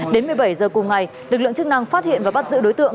đến một mươi bảy h cùng ngày lực lượng chức năng phát hiện và bắt giữ đối tượng